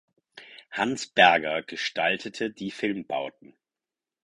Hans Berger gestaltete die Filmbauten.